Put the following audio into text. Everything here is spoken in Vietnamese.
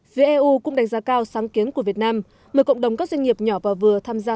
phía eu cũng đánh giá cao sáng kiến của việt nam mời cộng đồng các doanh nghiệp nhỏ và vừa tham gia